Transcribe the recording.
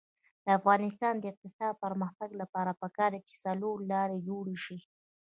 د افغانستان د اقتصادي پرمختګ لپاره پکار ده چې څلورلارې جوړې شي.